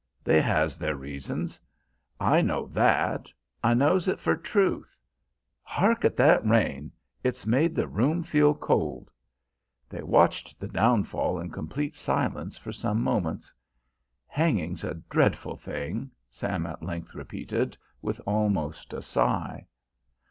They has their reasons. I know that, I knows it for truth ... hark at that rain, it's made the room feel cold." They watched the downfall in complete silence for some moments. "Hanging's a dreadful thing," Sam at length repeated, with almost a sigh.